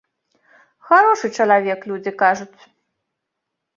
Харошы чалавек, людзі кажуць.